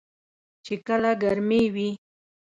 چې کله ګرمې وي .